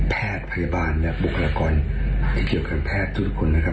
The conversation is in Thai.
แพทย์พยาบาลและบุคลากรเกี่ยวกับแพทย์ทุกคนนะครับ